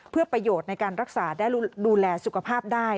เพื่อประโยชน์ในการรักษาและดูแลสุขภาพได้